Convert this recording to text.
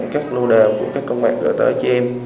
các công an gửi tới chị em